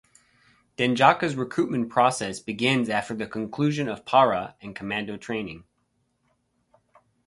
Denjaka's recruitment process begins after the conclusion of para and commando training.